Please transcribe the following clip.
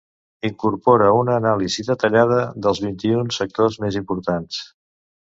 Incorpora una anàlisi detallada dels vint-i-un sectors més importants.